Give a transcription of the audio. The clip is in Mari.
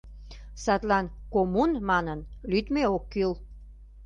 Садлан «коммун» манын лӱдмӧ ок кӱл.